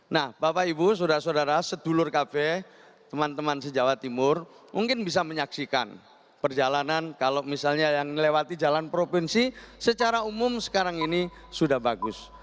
nah bapak ibu saudara saudara sedulur kp teman teman se jawa timur mungkin bisa menyaksikan perjalanan kalau misalnya yang melewati jalan provinsi secara umum sekarang ini sudah bagus